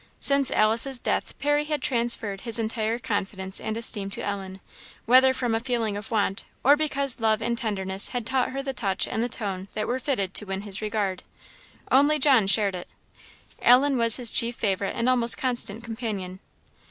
Since Alice's death Parry had transferred his entire confidence and esteem to Ellen; whether from feeling a want, or because love and tenderness had taught her the touch and the tone that were fitted to win his regard. Only John shared it. Ellen was his chief favourite and almost constant companion.